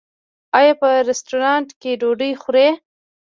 ایا په رستورانت کې ډوډۍ خورئ؟